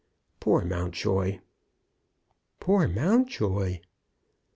Poor Mountjoy!" "Poor Mountjoy!"